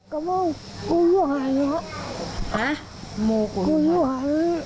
ห้ะมูกูค่ะ